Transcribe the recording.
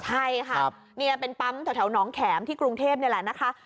ใช่เป็นปั๊มสดท้วน้องแข็มที่กรุงเทพนี่แหละ